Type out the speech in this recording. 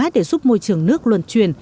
để giúp môi trường nước luân truyền